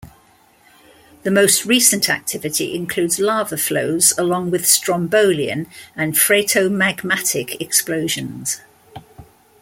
The most recent activity includes lava flows along with strombolian and phreatomagmatic explosions.